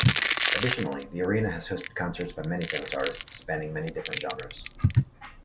Additionally, the arena has hosted concerts by many famous artists, spanning many different genres.